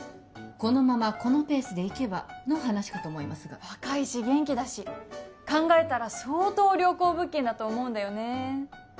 このままこのペースでいけばの話かと思いますが若いし元気だし考えたら相当良好物件だと思うんだよね